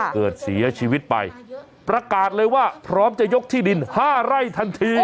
เสียชีวิตไปประกาศเลยว่าพร้อมจะยกที่ดิน๕ไร่ทันที